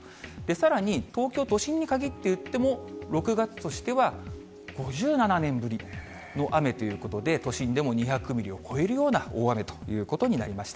さらに、東京都心に限っていっても、６月としては５７年ぶりの雨ということで、都心でも２００ミリを超えるような大雨ということになりました。